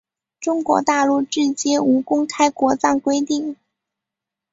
中国大陆至今无公开国葬规定。